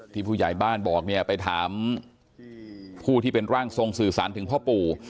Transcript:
ผู้ใหญ่บ้านบอกเนี่ยไปถามผู้ที่เป็นร่างทรงสื่อสารถึงพ่อปู่